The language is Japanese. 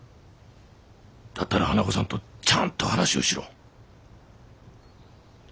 だったら花子さんとちゃんと話をしろ。